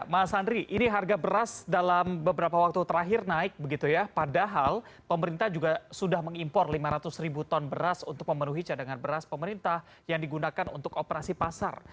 mas andri ini harga beras dalam beberapa waktu terakhir naik begitu ya padahal pemerintah juga sudah mengimpor lima ratus ribu ton beras untuk memenuhi cadangan beras pemerintah yang digunakan untuk operasi pasar